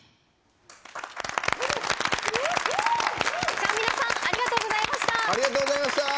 ちゃんみなさんありがとうございました。